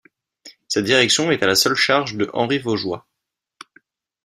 Sa direction est à la seule charge de Henri Vaugeois.